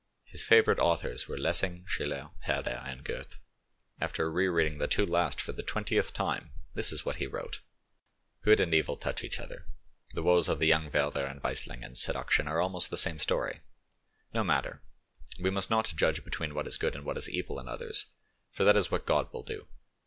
His favourite authors were Lessing, Schiller, Herder, and Goethe; after re reading the two last for the twentieth time, this is what he wrote: "Good and evil touch each other; the woes of the young Werther and Weisslingen's seduction, are almost the same story; no matter, we must not judge between what is good and what is evil in others; for that is what God will do.